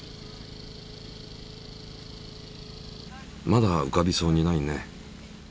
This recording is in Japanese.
まだうかびそうにないね。